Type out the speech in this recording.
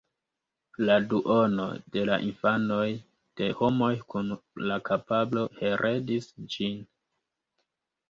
La duono de la infanoj de homoj kun la kapablo heredis ĝin.